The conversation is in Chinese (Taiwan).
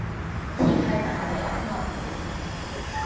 踢開黨委鬧革命